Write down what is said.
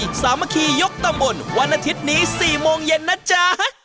สามัคคียกตำบลวันอาทิตย์นี้๔โมงเย็นนะจ๊ะ